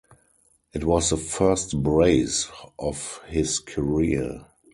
It was the first brace of his career.